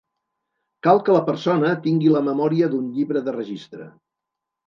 Cal que la persona tingui la memòria d'un llibre de registre.